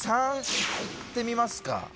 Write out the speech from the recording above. ３いってみますか。